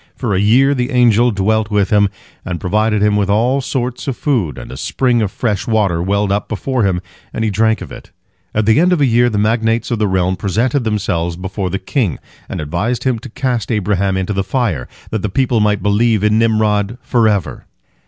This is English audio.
For a year the angel dwelt with him, and provided him with all sorts of food, and a spring of fresh water welled up before him, and he drank of it. At the end of a year, the magnates of the realm presented themselves before the king, and advised him to cast Abraham into the fire, that the people might believe in Nimrod forever.